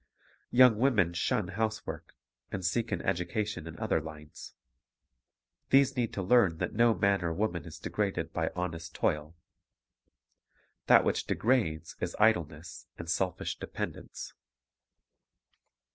Young women shun housework, and seek an education in other lines. These need to learn that no man or woman is degraded by honest toil. That which degrades is idleness and selfish dependence.